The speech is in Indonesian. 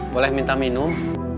boleh minta minum